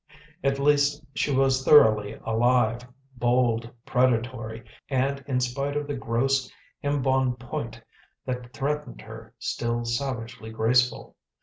At least, she was thoroughly alive, bold, predatory, and in spite of the gross embon point that threatened her, still savagely graceful.